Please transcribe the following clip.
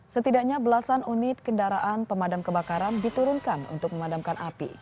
setidaknya belasan unit kendaraan pemadam kebakaran diturunkan untuk memadamkan api